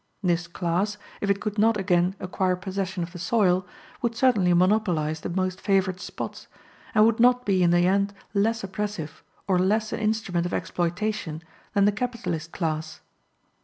This class, if it could not again acquire possession of the soil, would certainly monopolize the most favored spots, and would not be in the end less oppressive, or less an instrument of exploitation than the capitalist class.